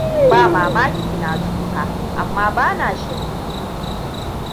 Ba mamaki na tsufa, amma ba na shirme.